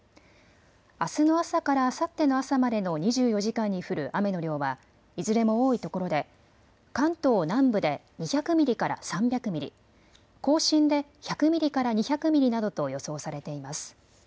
あすの朝からあさっての朝までの２４時間に降る雨の量はいずれも多いところで関東南部で２００ミリから３００ミリ、甲信で１００ミリから２００ミリなどと予想されています。